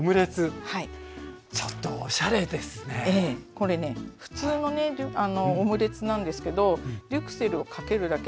これね普通のねオムレツなんですけどデュクセルをかけるだけでね